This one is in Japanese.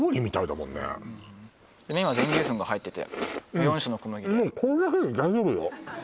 麺は全粒粉が入ってて４種の小麦でこれだけで大丈夫よ